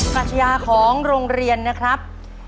ปัชญาของโรงเรียนนะครับ